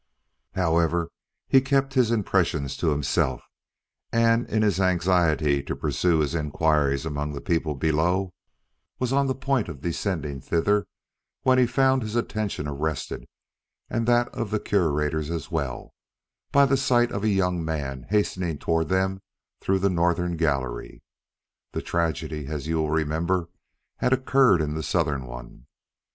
However, he kept his impressions to himself and in his anxiety to pursue his inquiries among the people below, was on the point of descending thither, when he found his attention arrested, and that of the Curator's as well, by the sight of a young man hastening toward them through the northern gallery. (The tragedy, as you will remember, had occurred in the southern one.)